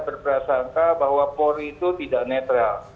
berprasangka bahwa polri itu tidak netral